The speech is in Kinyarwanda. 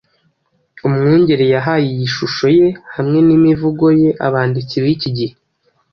Umwungeri yahaye iyi shusho ye hamwe n’imivugo ye abanditsi b'iki gihe: “